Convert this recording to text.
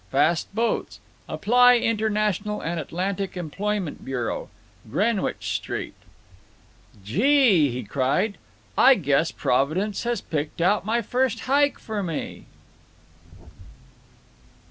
Fast boats. Apply International and Atlantic Employment Bureau,—Greenwich Street. "Gee!" he cried, "I guess Providence has picked out my first hike for me."